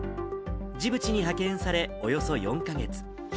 ジブチに派遣されおよそ４か月。